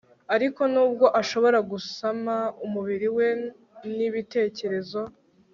ariko n'ubwo ashobora gusama, umubiri we n'ibitekerezo